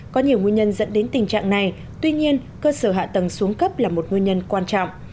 có nhiều nguyên nhân dẫn đến tình trạng này tuy nhiên cơ sở hạ tầng xuống cấp là một nguyên nhân quan trọng